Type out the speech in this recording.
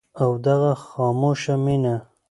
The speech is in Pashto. او دغه خاموشه مينه